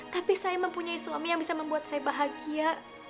tapi saya mempunyai suami yang bisa membuat saya bahagia